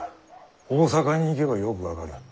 大坂に行けばよく分かる。